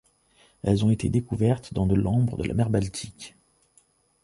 Elles ont été découvertes dans de l'ambre de la mer Baltique.